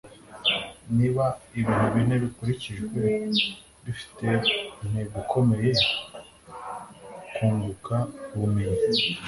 niba ibintu bine bikurikijwe - bifite intego ikomeye, kunguka ubumenyi